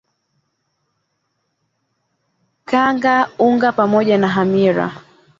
kanga unga pamoja na hamira